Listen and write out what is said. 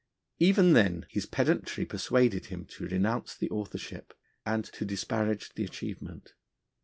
Even then his pedantry persuaded him to renounce the authorship, and to disparage the achievement.